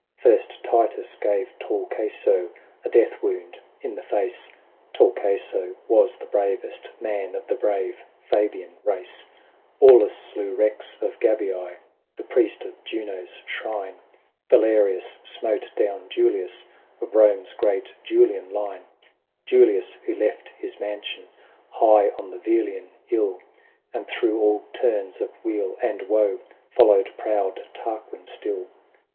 First Titus gave tall Caeso A death wound in the face ; 114 LAYS OF ANCIENT ROME. Tall Caeso was the bravest man Of the brave Fabian race : Aulus slew Rex of Gabii, The priest of Juno's shrine : Valerius smote down Julius, Of Rome's great Julian line ; Julius^ who left his mansion High on the Velian hill. And through all turns of weal and woe Followed proud Tarquin still.